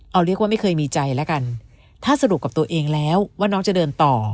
เอาเรียกว่าไม่เคยมีใจแล้วกันถ้าสรุปกับตัวเองแล้วว่าน้องจะเดินต่อ